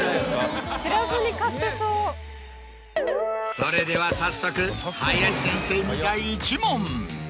それでは早速林先生に第１問。